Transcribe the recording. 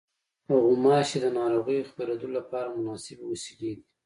غوماشې د ناروغیو خپرېدلو لپاره مناسبې وسیلې دي.